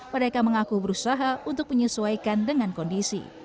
mereka mengaku berusaha untuk menyesuaikan dengan kondisi